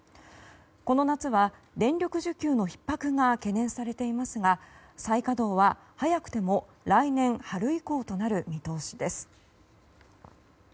この夏は電力需給のひっ迫が懸念されていますが再稼働は早くても来年春以降となる見通しです。